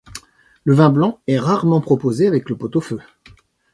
Le vin blanc est rarement proposé avec le pot-au-feu.